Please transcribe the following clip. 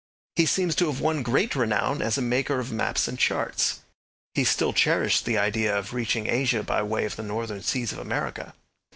He seems to have won great renown as a maker of maps and charts. He still cherished the idea of reaching Asia by way of the northern seas of America.